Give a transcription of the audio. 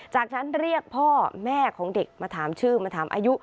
จากนั้นเรียกพ่อแม่ของเด็กมาถามชื่อมาถามอายุ